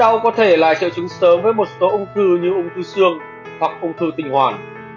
đau có thể là triệu chứng sớm với một số ung thư như ung thư xương hoặc ung thư tinh hoàn